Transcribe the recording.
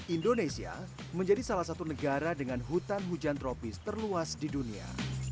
indonesia menjadi salah satu negara dengan hutan hujan tropis terluas di dunia